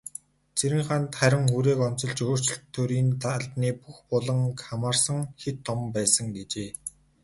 Цэрэнханд харин хүрээг онцолж, "өөрчлөлт төрийн албаны бүх буланг хамарсан хэт том байсан" гэжээ.